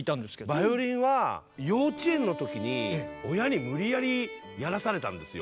バイオリンは幼稚園の時に親に無理やりやらされたんですよ。